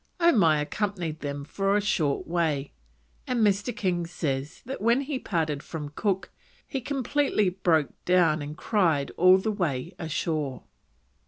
Omai accompanied them for a short way, and Mr. King says that when he parted from Cook he completely broke down and cried all the way ashore.